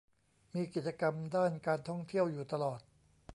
มีกิจกรรมด้านการท่องเที่ยวอยู่ตลอด